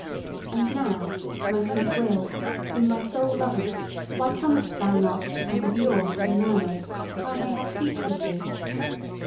And now, my sweet Will, whom my soul loveth, why comest thou not as of yore to the "Mermaid," that I may have speech with thee?